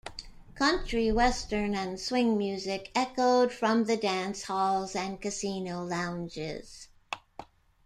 Country Western and Swing music echoed from the dance halls and casino lounges.